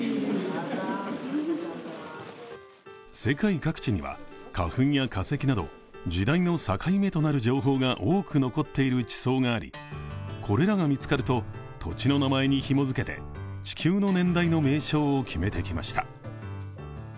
世界各地には、花粉や化石など時代の境目となる情報が多く残っている地層がありこれらが見つかると土地の名前にひも付けて地球の年代の名称を決めてきました。